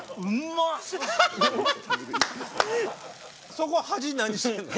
そこ端何してんの？